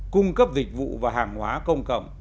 cung cấp dịch vụ và hàng hóa công cầm